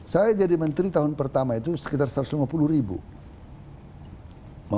saya jadi menteri tahun pertama itu sekitar satu ratus lima puluh ribu